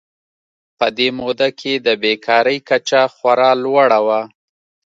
په دې موده کې د بېکارۍ کچه خورا لوړه وه.